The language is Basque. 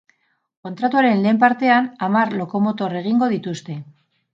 Kontratuaren lehen partean, hamar lokomotor egingo dituzte.